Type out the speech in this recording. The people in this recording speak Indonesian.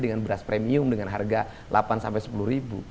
dengan beras premium dengan harga delapan sampai sepuluh ribu